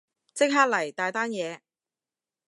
即刻嚟，大單嘢